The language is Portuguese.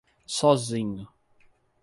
Sozinho